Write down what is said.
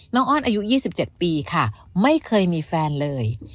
น้องอ้อนอายุยี่สิบเจ็ดปีค่ะไม่เคยมีแฟนเลย